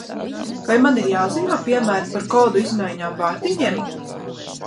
Vai man ir jāziņo, piemēram, par kodu izmaiņām vārtiņiem?